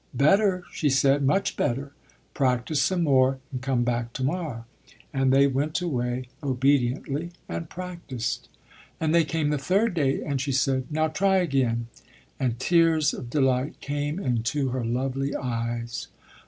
"Better," she said, "much better. Practise some more, and come back tomorrow." And they went away obediently and practised. And they came the third day. And she said: "Now, try again." And tears of delight came into her lovely eyes.